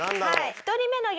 １人目の激